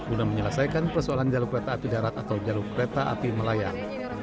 untuk menyelesaikan persoalan jalur kereta api darat atau jalur kereta api melayang